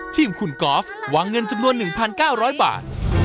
ทีมคุณกอล์ฟวางเงินจำนวน๑๙๐๐บาท